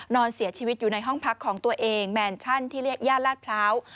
นอนเสียชีวิตอยู่ในห้องพักของตัวเองแมนชั่นที่เรียกย่านลาดพร้าว